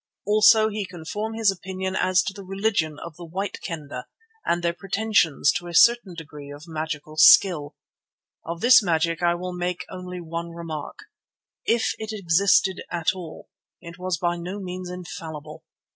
Also he can form his opinion as to the religion of the White Kendah and their pretensions to a certain degree of magical skill. Of this magic I will make only one remark: If it existed at all, it was by no means infallible.